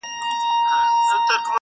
څومره ترخه مي وه ګڼلې، څه آسانه سوله.!